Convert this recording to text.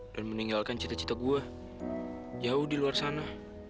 dan meninggalkan cita cita gua jauh di luar sana